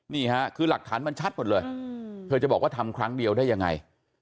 นี่ค่ะคือหลักฐานมันชัดหมดเลยเธอจะบอกว่าทำครั้งเดียวได้ยังไง